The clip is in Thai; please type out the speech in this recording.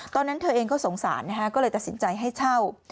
ตอนนั้นเธอเองก็สงสารนะฮะก็เลยตัดสินใจให้เช่า